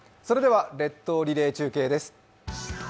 それでは列島リレー中継です。